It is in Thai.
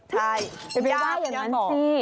ก็เล่าไงนั้นสิ